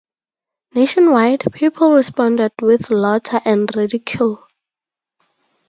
Nationwide, people responded with laughter and ridicule.